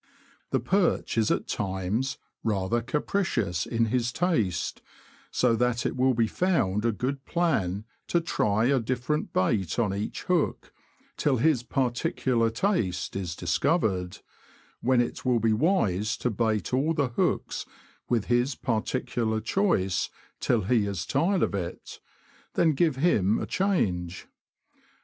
The perch is at times rather capricious in his taste, so that it will be found a good plan to try a different bait on each hook, till his particular taste is discovered, when it will be wise to bait all the hooks with his particular choice till he is tired of it— then give him a change.